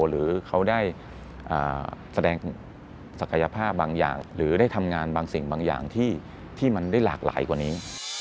หรือเขาได้แสดงศักยภาพบางอย่างหรือได้ทำงานบางสิ่งบางอย่างที่มันได้หลากหลายกว่านี้